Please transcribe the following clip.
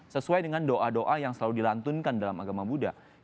sesuai dengan doa doa yang selalu dilantunkan dalam agama buddha